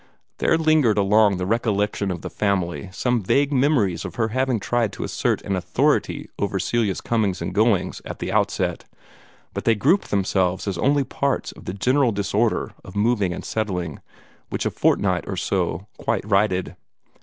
There lingered along in the recollection of the family some vague memories of her having tried to assert an authority over Celia's comings and goings at the outset, but they grouped themselves as only parts of the general disorder of moving and settling, which a fort night or so quite righted.